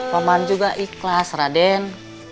paman juga ikhlas raden